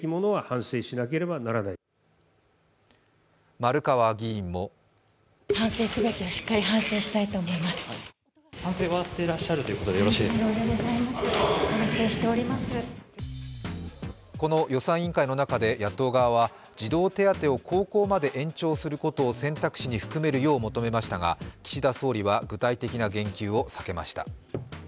丸川議員もこの予算委員会の中で野党側は、児童手当を高校まで延長することを選択肢に含めるよう求めましたが岸田総理は具体的な言及を避けました。